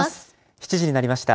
７時になりました。